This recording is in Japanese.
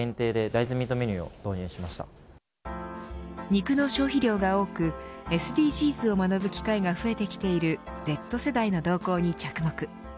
肉の消費量が多くＳＤＧｓを学ぶ機会が増えてきているＺ世代の動向に着目。